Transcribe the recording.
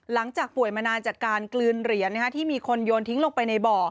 หลังจากป่วยมานานจากการกลืนเหรียญที่มีคนโยนทิ้งลงไปในบ่อ